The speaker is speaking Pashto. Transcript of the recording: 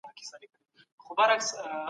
ډيموکراسۍ د سياست انحصار له منځه يووړ.